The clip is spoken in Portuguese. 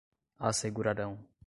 assegurarão